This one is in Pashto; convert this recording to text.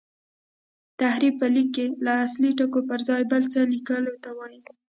تحریف په لیک کښي د اصلي ټکو پر ځای بل څه لیکلو ته وايي.